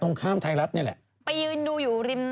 ตรงข้ามไทยรัฐเนี่ยแหละ